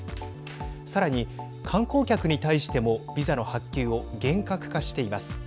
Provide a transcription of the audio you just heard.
さらに観光客に対してもビザの発給を厳格化しています。